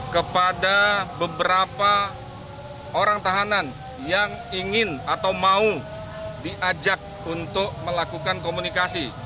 kepada beberapa orang tahanan yang ingin atau mau diajak untuk melakukan komunikasi